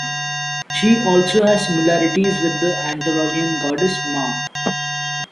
She also has similarities with the Anatolian goddess Ma.